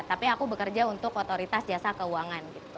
tapi aku bekerja untuk otoritas jasa keuangan